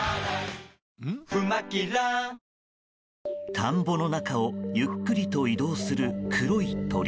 田んぼの中をゆっくりと移動する黒い鳥。